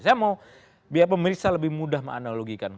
saya mau biar pemirsa lebih mudah menganalogikan